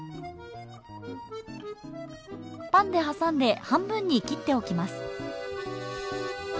パンで挟んで半分に切っておきます